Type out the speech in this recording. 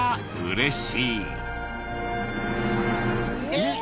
えっ！？